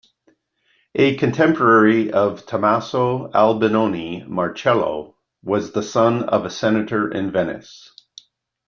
A contemporary of Tomaso Albinoni, Marcello was the son of a senator in Venice.